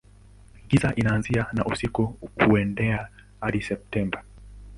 Giza inaanza na usiku huendelea hadi Septemba.